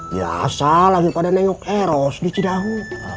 biasa lagi pada nengok eros di cidahu